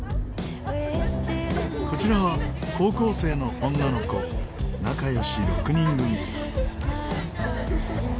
こちらは高校生の女の子仲良し６人組。